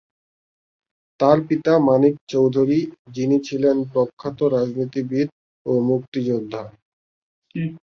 তার পিতা মানিক চৌধুরী, যিনি ছিলেন প্রখ্যাত রাজনীতিবিদ ও মুক্তিযোদ্ধা।